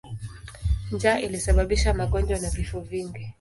Njaa ilisababisha magonjwa na vifo vingi.